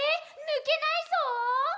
ぬけないぞ！！」